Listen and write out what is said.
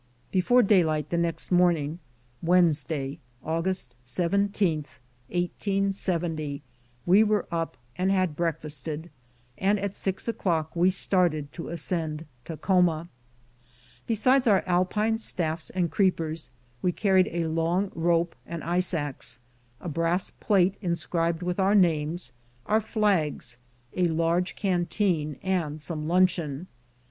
Before daylight the next morning, Wednesday, August 17, 1870, we were up and had breakfasted, and at six o'clock we started to ascend Takhoma. Be sides our Alpine staffs and creepers, we carried a long rope, and ice axe, a brass plate inscribed with our names, our flags, a large canteen, and some luncheon.